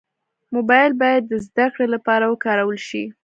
موبایل باید د زدهکړې لپاره وکارول شي.